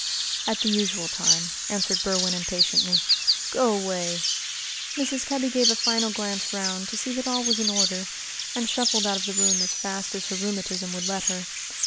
"At the usual time," answered Berwin impatiently. "Go away!" Mrs. Kebby gave a final glance round to see that all was in order, and shuffled out of the room as fast as her rheumatism would let her.